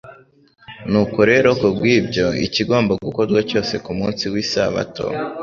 nuko rero kubw'ibyo, ikigomba gukorwa cyose ku munsi w'lsabato